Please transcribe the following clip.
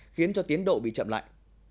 khiến cho tiến độ bị chậm lại